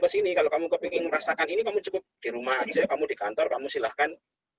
kesini kalau kamu kepingin rasakan ini kamu cukup di rumah aja kamu di kantor kamu silahkan